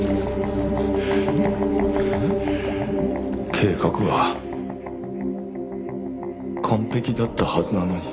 計画は完璧だったはずなのに。